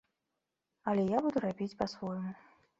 Але я буду рабіць па-свойму.